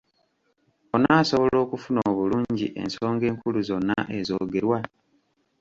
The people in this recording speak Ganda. Onaasobola okufuna obulungi ensonga enkulu zonna ezoogerwa.